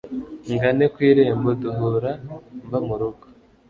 ngane ku irembo duhura mva mu rugo